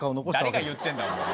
誰が言ってんだよ。